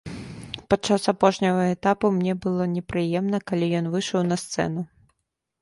Падчас апошняга этапу мне было непрыемна, калі ён выйшаў на сцэну.